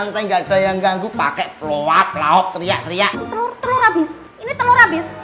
ganteng ganteng yang ganggu pake peluap lauk teriak teriak telur telur abis ini telur abis